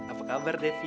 apa kabar devi